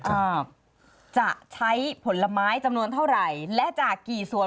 อ่าจะใช้ผลไม้จำนวนเท่าไหร่และจากกี่ส่วน